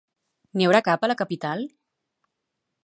N'hi haurà cap a la capital?